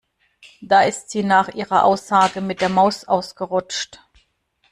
Da ist sie nach ihrer Aussage mit der Maus ausgerutscht.